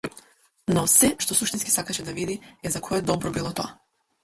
Но сѐ што суштински сакаше да види е за кое добро било тоа.